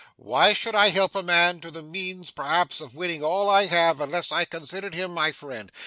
Why should I help a man to the means perhaps of winning all I have, unless I considered him my friend?